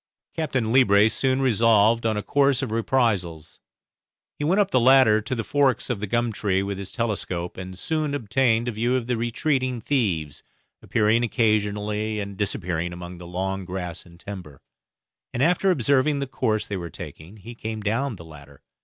Captain Leebrace soon resolved on a course of reprisals. He went up the ladder to the forks of the gum tree with his telescope, and soon obtained a view of the retreating thieves, appearing occasionally and disappearing among the long grass and timber; and after observing the course they were taking he came down the ladder.